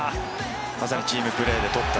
さすがのチームプレーで取った。